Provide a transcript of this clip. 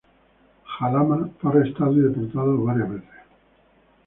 Ja Lama fue arrestado y deportado varias veces.